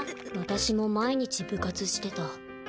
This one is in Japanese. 私も毎日部活してた。